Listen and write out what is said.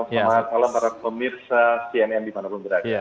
selamat malam para pemirsa cnn dimanapun berada